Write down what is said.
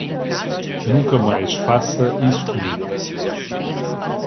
Nunca mais faça isso comigo.